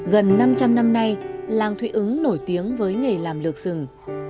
gần năm trăm linh năm nay làng thụy ứng nổi tiếng với nghề làm lược rừng